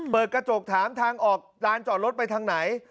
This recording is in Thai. เปิดกระจกถามทางออกร้านจอดรถไปทางไหน